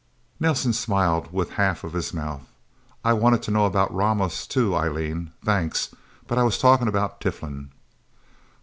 Nelsen smiled with half of his mouth. "I wanted to know about Ramos, too, Eileen. Thanks. But I was talking about Tiflin."